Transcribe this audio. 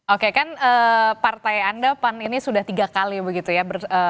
oke kan partai anda pan ini sudah tiga kali begitu ya